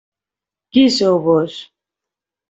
Qui sou vós?